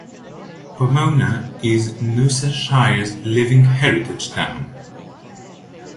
Pomona is Noosa Shire's 'living heritage town'.